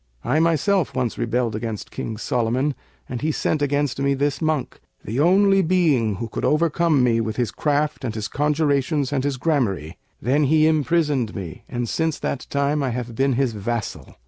I myself once rebelled against King Solomon and he sent against me this monk, the only being who could overcome me with his craft and his conjurations and his gramarye; then he imprisoned me, and since that time I have been his vassal.